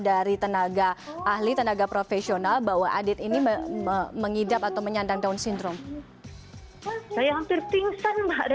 dari tenaga ahli tenaga profesional bahwa adit ini mengidap atau menyandang down syndrome